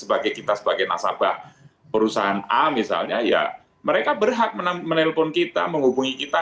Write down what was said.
sebagai kita sebagai nasabah perusahaan a misalnya ya mereka berhak menelpon kita menghubungi kita